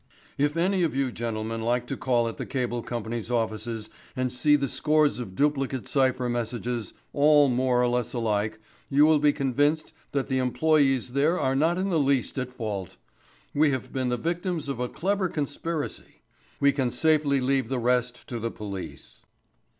"If any of you gentlemen like to call at the Cable Company's offices and see the scores of duplicate cypher messages, all more or less alike, you will be convinced that the employés there are not in the least at fault. We have been the victims of a clever conspiracy. We can safely leave the rest to the police."